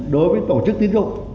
đối với tổ chức tiến dụng